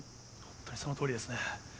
本当にそのとおりですね。